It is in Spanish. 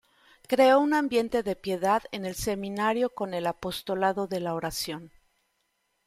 Creó un ambiente de piedad en el Seminario con el Apostolado de la oración.